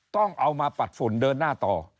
ต้องเอามาปัดฝุ่นเดินหน้าต่อ